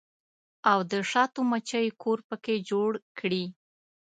او د شاتو مچۍ کور پکښې جوړ کړي